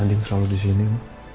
andin selalu di sini ma